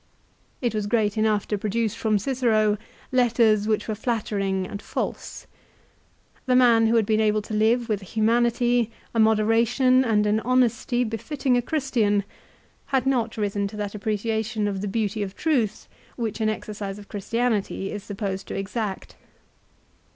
1 It was great enough to produce from Cicero letters which were flattering and false. The man who had been able to live with a humanity, a moderation, and an honesty befitting a Christian, had not risen to that appreciation of the beauty of truth which an exercise of Christianity is supposed to exact.